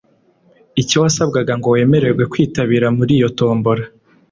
Icyo wasabwaga ngo wemererwe kwitabira muri iyi tombola